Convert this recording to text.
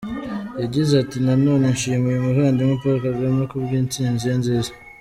Yagize ati “Na none nshimiye umuvandimwe Paul Kagame kubw’intsinzi ye nziza.